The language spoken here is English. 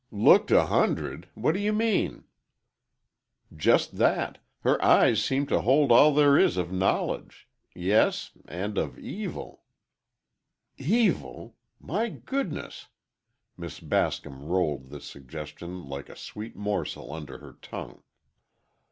"Looked a hundred! What do you mean?" "Just that. Her eyes seemed to hold all there is of knowledge, yes—and of evil—" "Evil! My goodness!" Miss Bascom rolled this suggestion like a sweet morsel under her tongue.